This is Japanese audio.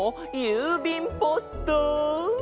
ゆうびんポスト。